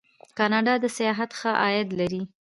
کاناډا د سیاحت ښه عاید لري.